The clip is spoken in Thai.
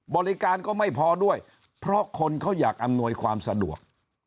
บริการก็ไม่พอด้วยเพราะคนเขาอยากอำนวยความสะดวก